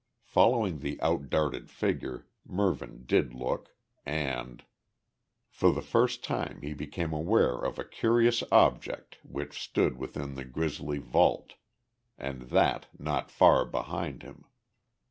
Following the out darted finger, Mervyn did look, and For the first time he became aware of a curious object which stood within the grisly vault, and that not far behind him.